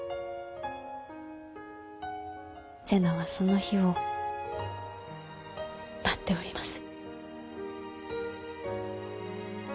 瀬名はその日を待っております。